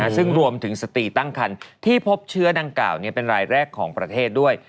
ซึ่งรวมถึงสตีตั้งคันที่พบเชื้อดังกล่าวเป็นรายแรกของประเทศด้วย